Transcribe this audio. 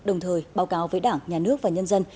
đồng thời báo cáo với đảng nhà nước và nhân dân